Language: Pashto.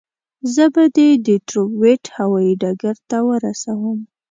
زه به دې ډیترویت هوایي ډګر ته ورسوم.